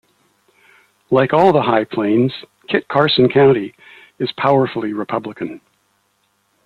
Like all the High Plains, Kit Carson County is powerfully Republican.